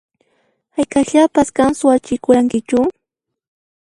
Hayk'aqllapas qan suwachikurqankichu?